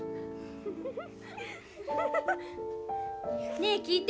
ねえ聞いて。